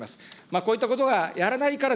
こういったことをやらないから、